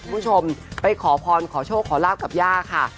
คุณผู้ชมไปขอพรขอโชคขอลาบกับย่าค่ะ